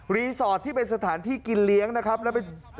รีสอร์ทที่เป็นสถานที่กินเลี้ยงนะครับ